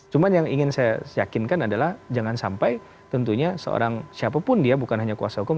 cuma yang ingin saya yakinkan adalah jangan sampai tentunya seorang siapapun dia bukan hanya kuasa hukum